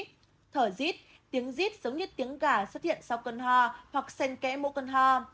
tiếng giít thở giít tiếng giít giống như tiếng gà xuất hiện sau cơn hoa hoặc sen kẽ mũ cơn hoa